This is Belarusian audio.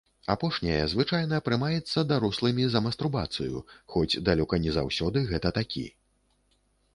Апошняе звычайна прымаецца дарослымі за мастурбацыю, хоць далёка не заўсёды гэта такі.